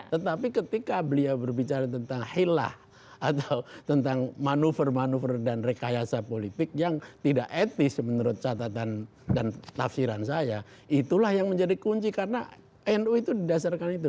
tetapi ketika beliau berbicara tentang hilah atau tentang manuver manuver dan rekayasa politik yang tidak etis menurut catatan dan tafsiran saya itulah yang menjadi kunci karena nu itu didasarkan itu